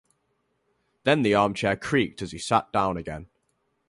Then the armchair creaked as he sat down again.